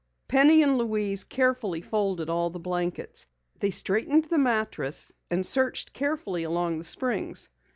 Penny and Louise carefully folded all the blankets. They straightened the mattress and searched carefully along the springs.